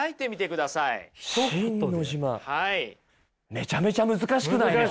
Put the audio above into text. めちゃめちゃ難しくないですか！